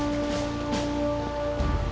jika dilihat dari ciri ciri korban semalam